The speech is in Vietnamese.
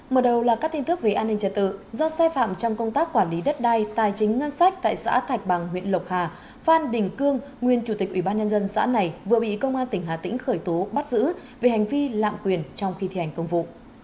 mở đầu là các tin tức về an ninh trật tự do sai phạm trong công tác quản lý đất đai tài chính ngân sách tại xã thạch bằng huyện lộc hà phan đình cương nguyên chủ tịch ủy ban nhân dân xã này vừa bị công an tỉnh hà tĩnh khởi tố bắt giữ về hành vi lạm quyền trong khi thi hành công vụ